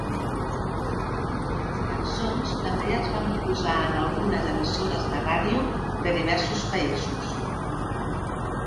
Les cançons també es van posar en algunes emissores de ràdio de diversos països.